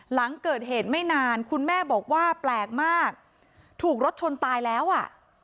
หลังเกิดเหตุไม่นานคุณแม่บอกว่าแปลกมากถูกรถชนตายแล้วอ่ะ